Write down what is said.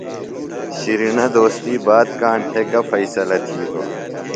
شِرینہ دوستی بات کاݨ تھےۡ گہ فیصلہ تِھیلوۡ ؟